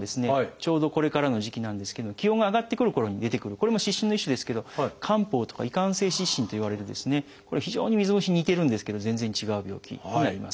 ちょうどこれからの時期なんですけど気温が上がってくるころに出てくるこれも湿疹の一種ですけど「汗疱」とか「異汗性湿疹」といわれるこれ非常に水虫似てるんですけど全然違う病気になります。